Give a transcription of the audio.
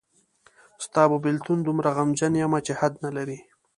ستا په بېلتون دومره غمجن یمه چې حد نلري